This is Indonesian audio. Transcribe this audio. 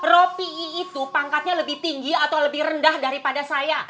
ropi itu pangkatnya lebih tinggi atau lebih rendah daripada saya